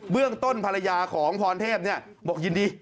เรื่องต้นภรรยาของพรเทพบอกยินดี